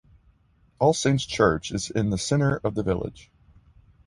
All Saints Church is in the centre of the village.